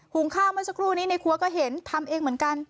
งข้าวเมื่อสักครู่นี้ในครัวก็เห็นทำเองเหมือนกัน